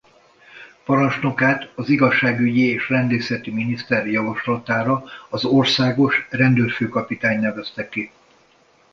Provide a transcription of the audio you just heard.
Parancsnokát az igazságügyi és rendészeti miniszter javaslatára az országos rendőrfőkapitány nevezte ki.